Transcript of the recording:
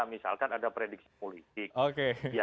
misalkan ada prediksi politik